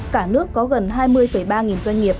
cả nước có gần hai mươi ba nghìn doanh nghiệp